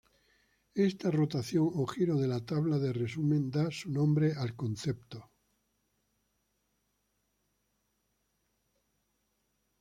Esta "rotación" o giro de la tabla de resumen da su nombre al concepto.